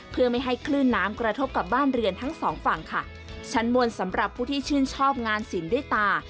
เพื่อไม่ให้คลื่นน้ำกระทบกับบ้านเรือนทั้งสองฝั่งค่ะชั้นมวลสำหรับผู้ที่ชื่นชอบงานศิลป์ด้วยตา